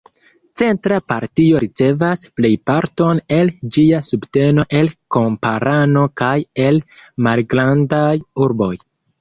Centra partio ricevas plejparton el ĝia subteno el kamparano kaj el malgrandaj urboj.